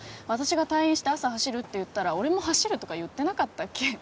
私が退院して朝走るって言ったら俺も走るとか言ってなかったっけ？